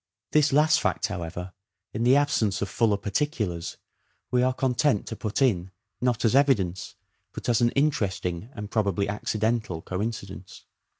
This last fact, however, in the absence of fuller particulars, we are content to put in, not as evidence, but as an interesting and probably accidental coincidence.